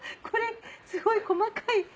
これすごい細かい。